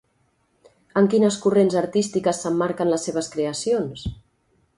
En quines corrents artístiques s'emmarquen les seves creacions?